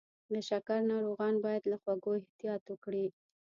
د شکر ناروغان باید له خوږو احتیاط وکړي.